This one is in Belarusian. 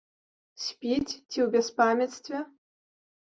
Спіць ці ў бяспамяцтве?